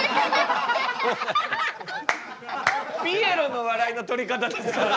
ピエロの笑いの取り方ですからね